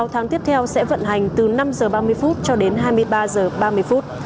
sáu tháng tiếp theo sẽ vận hành từ năm giờ ba mươi phút cho đến hai mươi ba h ba mươi phút